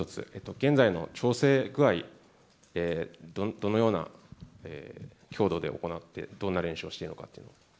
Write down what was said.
現在の調整具合、どのような強度で行って、どんな練習を行っているのかというのを。